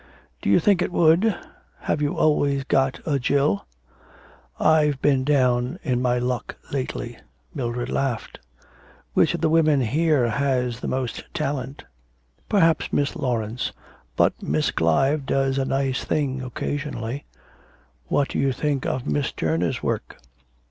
'Do you think it would? Have you always got a Jill?' 'I've been down in my luck lately.' Mildred laughed. 'Which of the women here has the most talent?' 'Perhaps Miss Laurence. But Miss Clive does a nice thing occasionally.' 'What do you think of Miss Turner's work?'